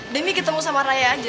demi ketemu sama raya aja